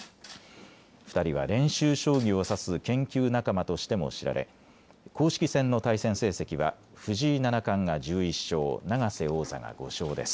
２人は練習将棋を指す研究仲間としても知られ、公式戦の対戦成績は藤井七冠が１１勝、永瀬王座が５勝です。